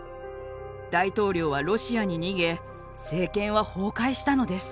大統領はロシアに逃げ政権は崩壊したのです。